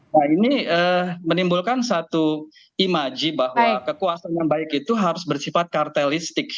nah ini menimbulkan satu imaji bahwa kekuasaan yang baik itu harus bersifat kartelistik